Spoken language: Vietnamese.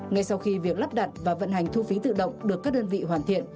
ngay sau khi việc lắp đặt và vận hành thu phí tự động được các đơn vị hoàn thiện